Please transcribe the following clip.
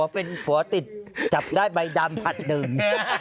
เป็นปัวติดหักได้ใบดำแบบนึง